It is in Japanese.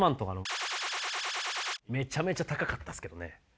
めちゃめちゃ高かったですけどね。